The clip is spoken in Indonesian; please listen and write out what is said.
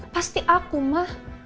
pasti aku ma